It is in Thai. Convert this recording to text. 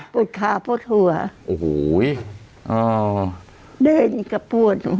ปวดขาปวดหัวโอ้โหอ่าเดินกระปวด